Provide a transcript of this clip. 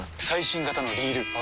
最新型のリール！